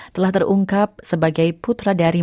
telah terungkap sebagai putra dari